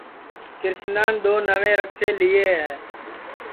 کرشنان دؔو نئوئے رکسے لیئے ہے